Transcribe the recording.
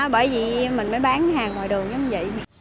bởi vì mình mới bán hàng ngoài đường như vậy